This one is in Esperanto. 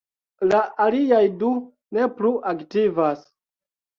La aliaj du ne plu aktivas.